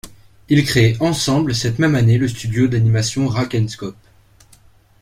Ils créent ensemble cette même année le studio d'animation Rak&Scop.